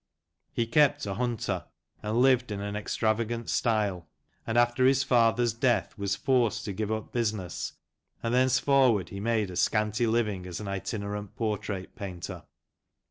He kept a hunter, and lived in an extravagant style, and after his father's death was forced to give up business, and thence forward he made a scanty living as an itinerant portrait painter.